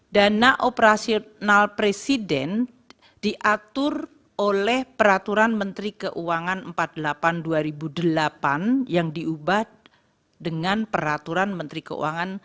dana operasional presiden diatur oleh peraturan menteri keuangan empat puluh delapan dua ribu delapan yang diubah dengan peraturan menteri keuangan